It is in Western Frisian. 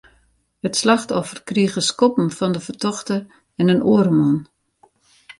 It slachtoffer krige skoppen fan de fertochte en in oare man.